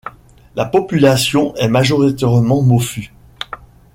La population est majoritairement Mofu.